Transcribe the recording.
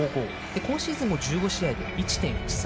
今シーズンも１５試合で１．１３。